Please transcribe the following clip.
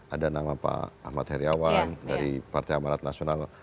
ada nama pak ahmad heriawan dari partai amanat nasional